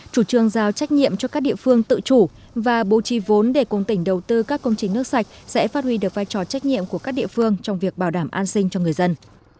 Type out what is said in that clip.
chủ trương giao trách nhiệm cho các địa phương tự chủ và bố trì vốn để cùng tỉnh đầu tư các công trình nước sạch sẽ phát huy được vai trò trách nhiệm của các địa phương trong việc bảo đảm an sinh cho người dân